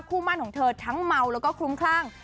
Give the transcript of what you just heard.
มั่นของเธอทั้งเมาแล้วก็คลุ้มคลั่ง